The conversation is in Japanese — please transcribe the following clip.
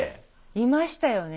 いましたよね。